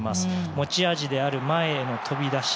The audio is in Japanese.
持ち味である前への飛び出し